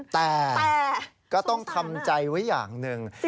แต่ก็ต้องทำใจไว้อย่างหนึ่ง